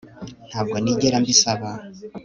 Ntabwo nigera mbisaba